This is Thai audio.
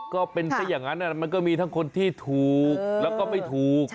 ก็เป็นซะอย่างนั้นมันก็มีทั้งคนที่ถูกแล้วก็ไม่ถูก